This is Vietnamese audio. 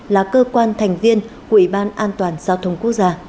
là cơ quan thành viên của ubndhq